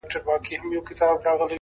او دده اوښكي لا په شړپ بهيدې”